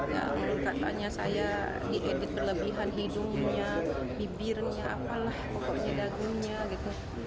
yang katanya saya diedit berlebihan hidungnya bibirnya apalah pokoknya dagunya gitu